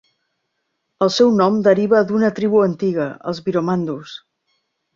El seu nom deriva d'una tribu antiga, els viromandus.